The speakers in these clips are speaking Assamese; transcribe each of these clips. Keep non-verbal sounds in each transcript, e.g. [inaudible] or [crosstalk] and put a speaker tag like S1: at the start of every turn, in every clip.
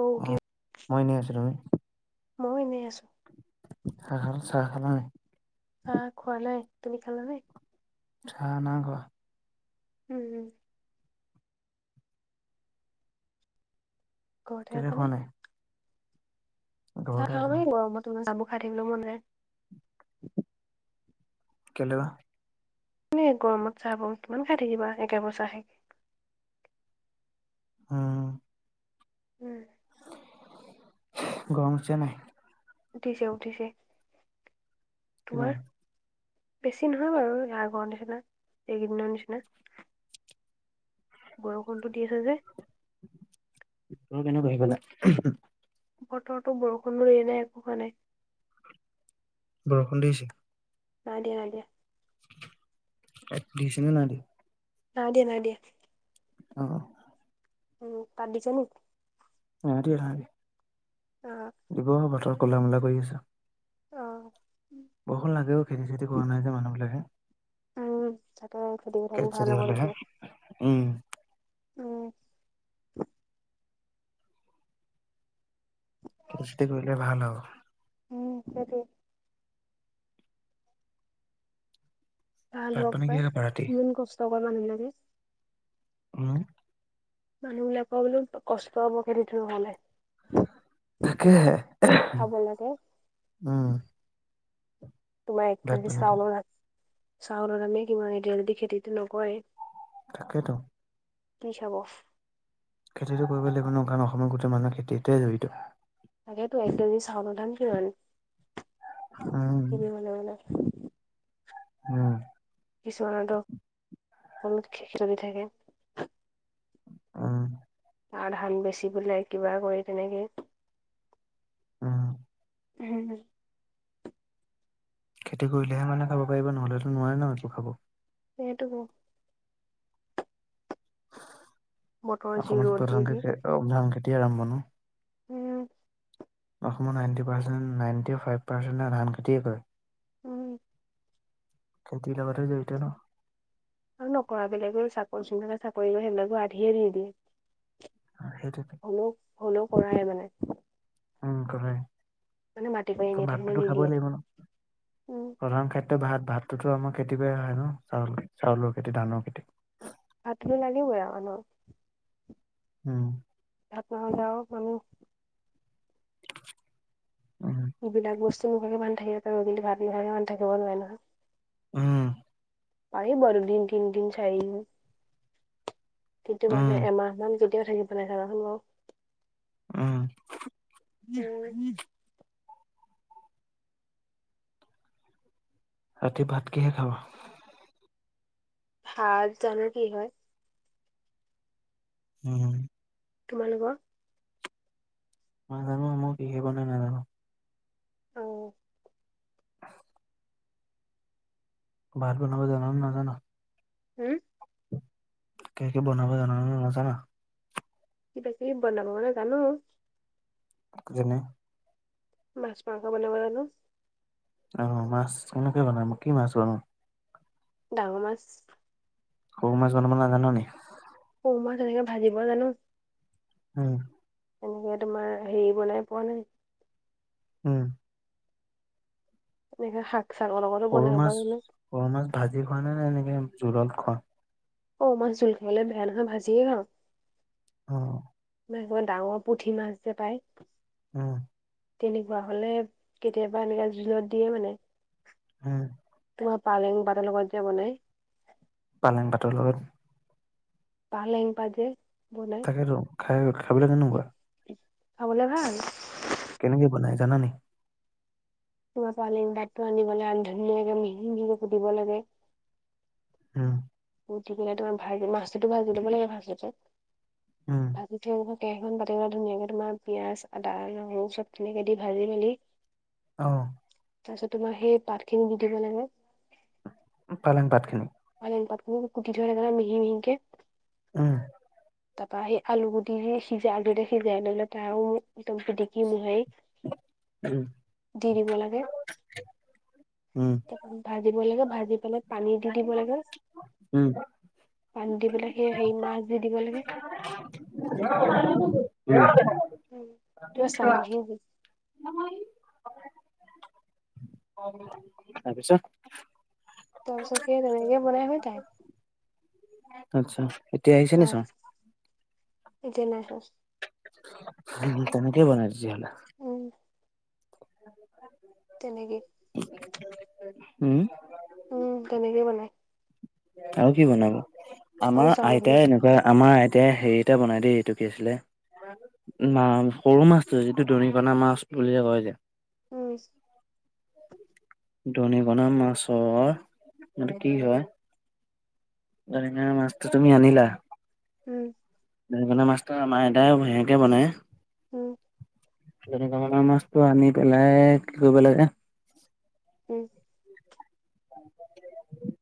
S1: অ', কি?
S2: মই এনে আছোঁ ৰবা।
S1: মইও এনেই আছোঁ।
S2: সেই চাহ খালা।
S1: আহা খোৱা নাই তুমি খালা নে।
S2: চাহ নাখোৱা।
S1: উম, উম। ঘৰতে
S2: কেলে
S1: আছা
S2: খোৱা
S1: নে?
S2: নাই
S1: চাহ
S2: ঘৰতে আছো
S1: খাৱনি গৰমত তামোল খাই থাকিবলৈও মন যায়।
S2: কেইলে বা।
S1: এনে গৰমত চাহ বোৰ কিমান খাই থাকিবা একেবোৰ চাহে।
S2: উম।
S1: উম।
S2: গৰম উঠিছে নাই।
S1: উঠিছে উঠিছে
S2: কিমান
S1: তোমাৰ। বেছি নহয় বাৰু ইয়াৰ আগৰ নিচিনা এইকেইদিনৰ নিচিনা। বৰষুণটো দি আছে যে।
S2: বতৰ কেনেকুৱা সেইফালে?
S1: বতৰতো বৰষুণো দিয়া নাই একো হোৱা নাই।
S2: বৰষুণ দিছে?
S1: নাই দিয়া নাই দিয়া।
S2: তাত দিছে নে নাই দিয়া?
S1: নাই দিয়া নাই দিয়া।
S2: অ।
S1: উম, তাত দিছে নি?
S2: নাই দিয়া নাই দিয়া।
S1: অঁ।
S2: দিব বতৰ ক'লা ম'লা কৰি আছে।
S1: অ'।
S2: বৰষুণ লাগেও খেতি চেতি কৰা নাই যে মানুহবিলাকে।
S1: উম তাকে খেতি পথাৰবোৰ
S2: চেতি
S1: ভাল হ'ব
S2: হ'লেহে
S1: লাগে।
S2: উম।
S1: উম।
S2: খেতি কৰিলে ভাল হ'ব।
S1: উম সেইটোৱে। ভাল
S2: ভাত
S1: হওক
S2: পানী
S1: পায়
S2: কিহে খাবা ৰাতি
S1: ইমান কষ্ট কৰে মানুহবিলাকে।
S2: উম।
S1: মানুহবিলাকৰ বোলো কষ্ট হ'ব সেইটোতো হোৱা নাই।
S2: তাকেহে,
S1: লাগে
S2: উম।
S1: তোমাৰ এক
S2: ভাত
S1: কেজি
S2: পানী
S1: চাউলৰ দাম চাউলৰ দামে কিমান এতিয়া যদি খেতিতো নকৰে।
S2: তাকেইতো।
S1: কি চাব?
S2: খেতিটো কৰিব লাগিব ন কাৰণ অসমৰ গোটেই মানুহে খেতিতে জড়িত।
S1: তাকেতো এক কেজি চাউলৰ দাম কিমান
S2: উম
S1: কিনিবলৈ গ'লে।
S2: উম।
S1: কিছুমানৰটো কমকে খেতি থাকে।
S2: অঁ।
S1: আৰু ধান বেচিবলে কিবা কৰি তেনেকে।
S2: উম।
S1: উম।
S2: খেতি কৰিলেহে মানুহে খাব পাৰিব নহ'লেতো নোৱাৰে ন একো খাব।
S1: সেইটো হয়। বতৰ যি
S2: অসমৰ
S1: ৰ'দ দি
S2: প্ৰধান
S1: দি
S2: কৃষি অ ধান খেতিয়ে আৰম্ভ ন?
S1: উম।
S2: অসমৰ নাইনটি পাৰ্চেণ্টে, নাইটি ফাইভ পাৰ্চেন্টে ধান খেতিয়ে কৰে।
S1: উম।
S2: খেতি লগাতে জঢ়িত ন?
S1: আৰু নকৰা বেলেগেও চাকৰি যোনবিলাক চাকৰি কৰে সেইবিলাকো আধিয়ে দি দিয়ে।
S2: অ', সেইটোতো।
S1: হলেও হলেও কৰাই মানে।
S2: উম কলে
S1: মানে মাটি বাৰী এনেই থাকিব
S2: ভাতটোতো খাবই
S1: নিদিয়ে
S2: লাগিব ন
S1: উম
S2: প্ৰধান খাদ্ ত ভাত ভাততো আমাৰ খেতি পা আহে ন চাউল চাউলৰ খেতি ধানৰ খেতি।
S1: ভাতো লাগিবই আআমি
S2: উম।
S1: ভাত নহলে আৰু মানুহ
S2: উম
S1: ইবিলাক বস্তু নহলেও মানুহে থাকিব পাৰিব কিন্তু ভাত নোহোৱাকে মানুহ থাকিব নোৱাৰে নহয়।
S2: উম
S1: পাৰিব দুদিন তিনদিন চাৰিদিন কিন্তু
S2: উম,
S1: মানুহ এমাহ মান যদি কেতিয়া থাকিব নোৱাৰে চাবাচোন বাৰু।
S2: উম
S1: উম।
S2: বাকী ভাত কিহে খাবা।
S1: সাজঁ জানো কি হয়।
S2: উম।
S1: তোমালোকৰ?
S2: নাজানো নহয় কিহে জানো বনাব
S1: উম
S2: [unintelligible] ভাত বনাবা জানা নে নাজানা।
S1: হুম।
S2: কিবা কিবি বনাব জানা নে নাজনা।
S1: এতিয়া কত বনাবা নহলে জানো বাও
S2: আকো বনাই
S1: মাছ মাংস বনাব জানো।
S2: অ', মাছ কেনেকে বনাম কি মাছ বনোৱা।
S1: ডাঙৰ মাছ।
S2: সৰু মাছ বনাব নাজানা নি
S1: সৰু মাছ তেনেকে ভাজিব জানো।
S2: উম।
S1: এনেকে তোমাৰ হেৰি বনাই পোৱা নাই।
S2: উম।
S1: এনেকে শাক চাকৰ লগতো
S2: সৰু
S1: বনাব
S2: মাছ
S1: জানো
S2: সৰু মাছ ভাজি খুৱোৱা নে এনেকে জোলত খোৱা
S1: সৰু মাছ জোল খাবলে বেয়া নহয় ভাজিয়ে খাও
S2: হুম
S1: মাছ যে ডাঙৰ পুঠি মাছ যে পায়
S2: উম
S1: তেনেকুৱা হলে কেতিয়াবা এনেকা জোলত দিয়ে মানে
S2: উম
S1: তোমাৰ পালেং পাতৰ লগত যে বনাই।
S2: পালেং পাতৰ লগত।
S1: পালেং পাত যে। বনাই
S2: তাকে ত খাই খাবলে কেনেকুৱা
S1: খাবলে ভাল
S2: কেনেকে বনাই জানা নি
S1: ওৱা পালেং [unintelligible] আনিবলে আন ধুনীয়াকে মিহি মিহিকে কুতিব লাগে।
S2: উম
S1: উঠি কিনে তোমাৰ ভাজি মাছটো ভাজি লব লাগে ফাষ্টতে
S2: উম
S1: দি থৈ আহিব কেৰাহীখন পাতি পেলাই ধুনীয়াকে তোমাৰ পিঁয়াজ, আদা, নহৰু চব ধুনীয়াকে দি ভাজি মেলি
S2: অহ
S1: তাৰ পিছত তোমাৰ সেই পাত খিনি দি দিব লাগে।
S2: পালেং পাত খিনি
S1: পালেং পাতবোৰ কুটি [unintelligible] মিহি মিহিকে
S2: উম
S1: তাপা সেই আলু গুটিৰি সিজা আলুৰে সিজাই লৈ লৈ তাৰ আও একদম পিটিকি মোহাৰি
S2: উম
S1: দি দিব লাগে
S2: উম
S1: ভাজিব লাগে ভাজি পেলাই পানী দি দিব লাগে।
S2: উম
S1: পানী দি পেলাই সেই হেৰি মাছ দি দিব লাগে।
S2: [unintelligible]
S1: উ কিবা চাউণ্ড আহি গ'ল
S2: নহয় আও কোনোবা তাৰ পিছত
S1: তাৰ পিছত সেই তেনেকে বনাই হয় তাই
S2: আচ্ছা এতিয়া আহিছে নি
S1: মাছ এতিয়া নাই হয়
S2: তেনেকেই বনাইছি হ'লে
S1: উম তেনেকে
S2: উম
S1: উম তেনেকে বনায়।
S2: আৰু কি বনাব
S1: আৰু
S2: আমাৰ
S1: চাউল আহি
S2: আইতাই
S1: আছে
S2: এনেকুৱা আমাৰ আইতাই হেৰি এটা বনাই দেই এইটো কি আছিলে মা সৰু মাছটো যিটো দৰিকণা মাছ বুলি যে কয় যে
S1: উম
S2: দনিকনা মাছৰ এটো কি হয় দনিকনা মাছতো তুমি আনিলা
S1: উম
S2: দনিকনা মাছটো আমাৰ আইতাই এনেকে বনাই
S1: উম
S2: দনিকনা মাছটো আনি পেলাই কি কৰিব লাগে
S1: উম
S2: [unintelligible]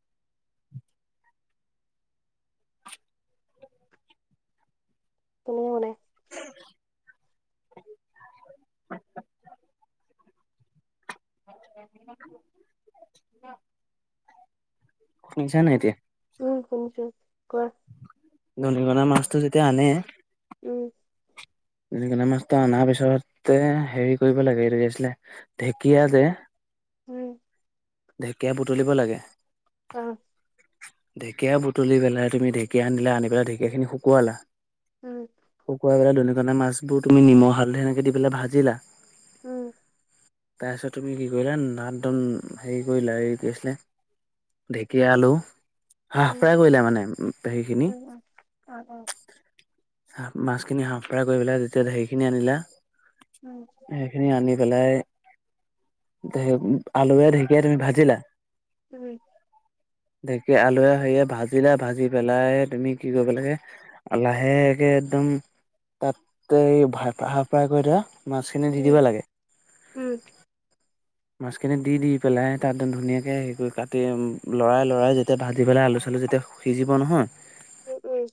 S1: কেনেকে বনাই
S2: [unintelligible] [unintelligible] [unintelligible] শুনিছা নাই এতিয়া
S1: উম শুনিছো কোৱা
S2: দনিকণা মাছটো যেতিয়া আনে
S1: উম
S2: দনিকনা মাছটো অনাৰ পিছতে হেৰি কৰিব লাগে এইটো আছিলে ঢেকীয়া যে
S1: উম
S2: ঢেকীয়া বুটলিব লাগে
S1: অ
S2: ঢেকীয়া বুটলি পেলাই তুমি ঢেকীয়া আনিলা আনি পেলাই ঢেঁকীয়া খিন শুকুৱালা
S1: উম
S2: শুকুৱাই পেলাই দনিকনা মাছবোৰ তুমি নিমখ হালধি এনেকে দি পেলাই ভাজিলা
S1: উম
S2: তাৰপিছত তুমি কি কৰিলা নাদম হেৰি কৰিলা এই কি আছিলে ঢেকীয়া আলু হাফ
S1: উম
S2: ফ্ৰাই কৰিলে মানে পেহীখিনি
S1: উম উম অ অ
S2: হা মাছখিনি হাঁফ ফ্ৰাই কৰি পেলাই তেতিয়া হেৰি খিনি আনিলা
S1: উম
S2: সেইখিনি আনি পেলাই আলুৱে ঢেকীয়া তুমি ভাজিলা
S1: উম
S2: ঢেঁকীয়া আলুুৱে হেৰিয়ে ভাজিলা ভাজি পেলাই তুমি কি কৰিব লাগে লাহেকে একদম তাতেই ভাই ভাই হাফ ফ্ৰাই কৰি থোৱা মাছখিনি দি
S1: উম
S2: দিব লাগে
S1: উম
S2: মাছখিনি দি দি পেলাই তাত ধু ধুনীয়াকে হেৰি কৰি কাটি লৰাই লৰাই যেতিয়া ভাজি পেলাই আলু চালু যেতিয়া সিজিব নহয়
S1: উম উম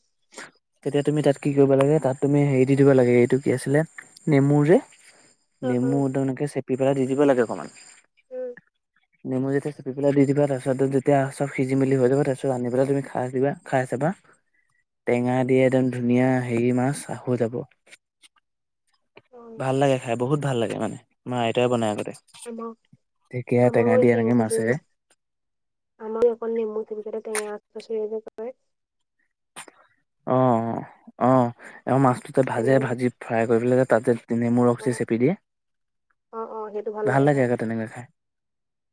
S2: তেতিয়া তুমি তাত কি কৰিব লাগে তাত তুমি হেৰি দি দিবা লাগে এইটো কি আছিলে নেমুৰ যে
S1: অ অ
S2: নেমু একদম এনেকে চেপি পেলাই দি দিব লাগে অকণমান
S1: উম
S2: নেমু যেতিয়া চপি পেল দি দিব তাৰপিছত যেতিয়া চব সিজি মি হৈ যাব তাৰ পিছত আনি পাই তুমি খাই দিবা খাই চাবা টেঙা দি একদম ধুনীয়া হেৰি মাছ আহো হৈ যাব
S1: অ
S2: ভাল লাগে খাই বহুত ভাল লাগে মানে আমাৰ আইতাই বন আগতে ঢেকীয়া টেঙা দি এনেকে মাছেৰে
S1: [unintelligible] আমাৰো অকল নেমু চেমকেটা টেঙা আগটো [unintelligible]
S2: অ অ আৰু মাছটোতে ভাজে
S1: তেনেকে
S2: ভাজি ফ্ৰাই কৰি পেলাই যে তাতে যে নেমু ৰখ যে
S1: অ',
S2: চেপি দিয়ে
S1: অ', অ', সেইটো
S2: ভাল
S1: খাই
S2: লাগে আকৌ তেনেকৈ খাই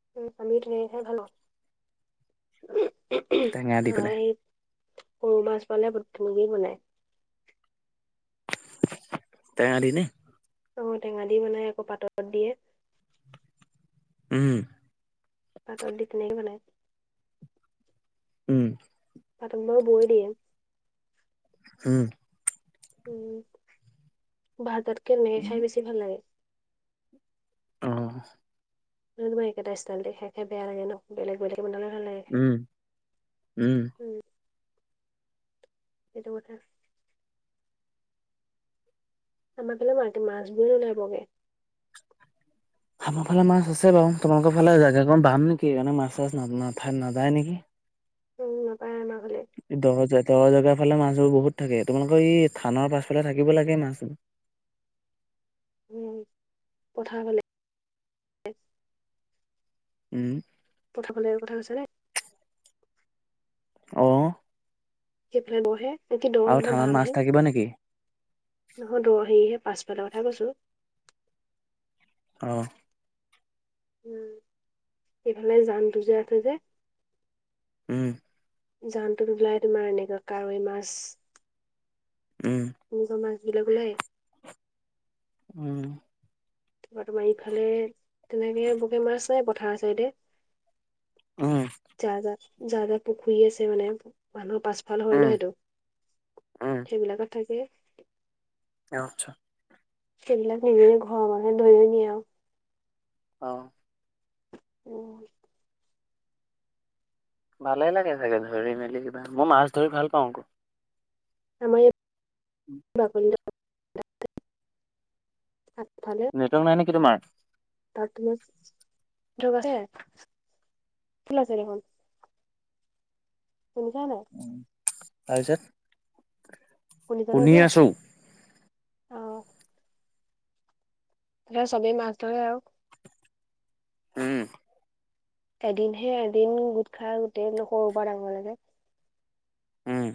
S1: [unintelligible] সৰু মাছ
S2: টেঙা দি
S1: পালে
S2: পেলাই
S1: ভূতোক তেনেকৈ বনাই
S2: তেঙা দি নে
S1: ঔ টেঙা দি বনাই আকৌ পাতত দিয়ে
S2: উম
S1: পাতত দি তেনেকে বনাই
S2: উম
S1: পাতক বাৰু বৈ দিয়ে
S2: উম
S1: উম ভাৰততকে মে খাই বেছি ভাল লাগে।
S2: অ।
S1: এ তোমাৰ একেইটা ষ্টাইলতে খাই খাই বেয়া লাগে ন বেলেগ বেলেগ কে বনালে ভাল লাগে খাই,
S2: উম
S1: উম। সেইটো কথা। আমাৰ ফালে বাৰকে মাছবোৰ ওলাইবগে।
S2: আমাৰ ফালে মাছ আছে বাৰু তোমালোকৰ ফালে জাগাকণ বাম নেকি সকাৰে মাছ চাছ নঠাই নাযায় নেকি?
S1: উম নাপায় আমাৰ ফালে।
S2: দৰ দৰ জেগাৰ ফালে মাছবোৰ বহুত থাকে তোমালোকৰ ই থানৰ পাছফালে থাকিব লাগে মাছ।
S1: উম পথাৰ ফালে।
S2: ওম।
S1: পথাৰ ফালে কথা কৈছে নে?
S2: অ।
S1: সেফালে বৰ হে এতিয়া দৰ
S2: আৰু
S1: হেনো
S2: থানাত
S1: বাম
S2: মাছ
S1: হে।
S2: থাকিব নেকি
S1: নহয় দৌৰ হেৰিহে পাছফালৰ কথা কৈছো।
S2: অ।
S1: উম এইফালে জানটো যে আছে যে
S2: উম।
S1: জানটোত ওলাই তোমাৰ এনেকুৱা কাৱৈ মাছ
S2: উম
S1: নিজৰ মাছবিলাক ওলাই।
S2: উম।
S1: তোমাৰ তোমাৰ ইফালে তেনেকে বকে মাছ নাই পথাৰ চাইডে।
S2: উম
S1: যা যা যা যা পুখুৰি আছে মানে মানুহৰ পাছ- ভাল হয়
S2: উম
S1: ন সেইটো
S2: উম
S1: সেইবিলাকত থাকে।
S2: [unintelligible]
S1: সেইবিলাক নিজে ঘৰৰ মানুহে ধৈ নিয়ে আও।
S2: অ।
S1: উ।
S2: ভালে লাগে চাগে ধৰি মেলি কিবা, মই মাছ ধৰি ভাল পাওঁ আকৌ।
S1: আমাৰ এইব বাকলি দাও আগফালে
S2: নেটৱৰ্ক নাই নেকি তোমাৰ?
S1: [unintelligible] ফুল আছে দেখোন শুনিছা নাই?
S2: উম তাৰপিছত
S1: শুনিছনে
S2: শুনি
S1: এতিয়া?
S2: আছো।
S1: অ হে সবেই মাছ ধৰে আও।
S2: উম।
S1: এদিনহে এদিন গোট খাই গোটেই ল সৰু পা ডাঙৰ লৈকে।
S2: উম।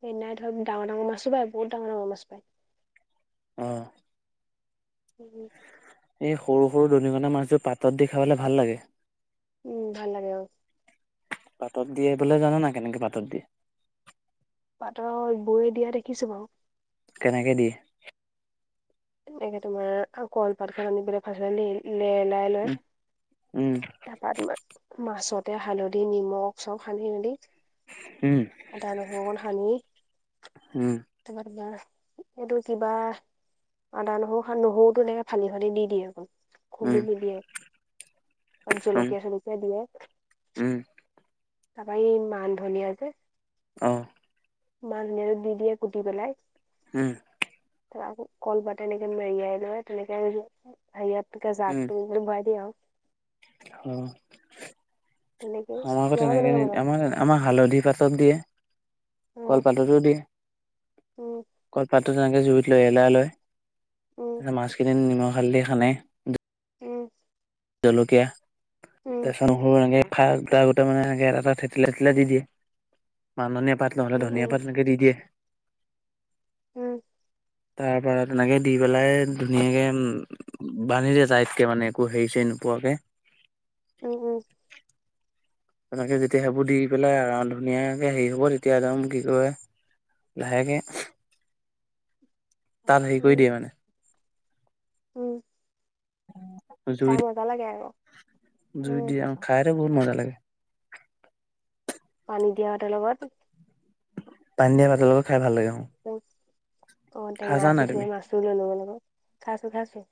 S1: সেইদিনাই ধব ডাঙৰ ডাঙৰ মাছো পায়, বহু ডাঙৰ ডাঙৰ মাছ পায়।
S2: অ।
S1: [unintelligible]
S2: এ সৰু সৰু দনিকনা মাছবোৰ পাতত দি খাবলে ভাল লাগে।
S1: উম, ভাল লাগে। অ,
S2: পাতত দিয়ে বোলে, জান না, নাই কেনেকে পাতত দিয়ে?
S1: পাতত বৌ, দিয়া দেখিছো বাৰু।
S2: কেনেকে দিয়ে?
S1: এনেকে তোমাৰ কলপাত খান, আনি পেলাই [inaudible] লেলাই লয়।
S2: উম উম
S1: তাৰপৰা তোমাৰ মাছতে হালধি নিমখ চব, সানি মেলি
S2: উম
S1: আদা, নহৰু অকণ সানি
S2: উম।
S1: [unintelligible] এইটো কিবা আদা নহৰু, সা-নহৰুতো এনেকে ফালি, ফালি দি দিয়ে আকৌ।
S2: উম
S1: খুন্দি নিদিয়ে, তাত
S2: উম
S1: জলকীয়া-চলকীয়া দিয়ে।
S2: উম,
S1: তাৰপা এই মান ধনিয় যে
S2: অ,
S1: মান ধনিয়াটো দি দিয়ে কুটি পেলাই।
S2: উম,
S1: আকৌ কলপাত এনেকে মেৰিয়াই লয়, তেনেকে হেৰিয়াতে
S2: উম
S1: জাগটো, মানে বৰাই দিয়ে আৰু।
S2: অ,
S1: তেনেকেই
S2: আমাৰ আকৌ,
S1: তোমালোকে
S2: যেনেকে
S1: কেনেকে
S2: নিদিয়ে,
S1: বনোৱা?
S2: আমা আমা হালধি পাতত দিয়ে,
S1: উম
S2: কলপাততো দিয়ে।
S1: উম
S2: কলপাতটো তেনেকে জুইত লেলিয়াই লয়।
S1: উম,
S2: তাৰপিছত মাছখিনি নিমখ, হালধি সানে
S1: উম,
S2: জলকীয়া, তে চাও [inaudible] মানে এনেক এটা থেতেলিয়াই, থেতেলিয়াই দি দিয়ে, মান ধনিয়া পাত নহ'লে,
S1: উম উম
S2: ধনিয়া
S1: উম
S2: পাত, এনেকে দি দিয়ে।
S1: উম,
S2: তাৰ পৰা তেনেকে দি পেলাই, ধুনীয়াকে উম, বান্ধি দিয়ে তাইতকে মানে একো হেৰি চে, নোপোৱাকে।
S1: উম, উম,
S2: তেনেকে, যেতিয়া সেইবোৰ দি পেলাই আৰু ধুনীয়াকে হেৰি হ'ব তেতিয়া একদম কি কয়। লাহেকে তাত হেৰি
S1: উম
S2: কৰি দিয়ে মানে।
S1: উম,
S2: জুই
S1: খাই মজা লাগে আৰু।
S2: জুই দিয়ে আৰু, খাইটো বহুত মজা লাগে।
S1: পানী দিয়া ভাতৰ, লগত
S2: পানী দিয়া ভাতৰ লগত খাই ভাল লাগে। উম,
S1: অ, ঔটেঙা
S2: তুমি?
S1: চুচৰি মাছটো লৈ লব লাগে খাইছো, খাইছো,